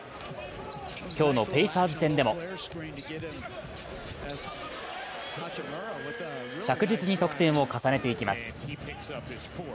今日のペイサーズ戦でも着実に得点を重ねていきます。